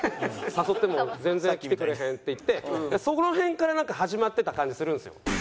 「誘っても全然来てくれへん」って言ってその辺からなんか始まってた感じするんですよ。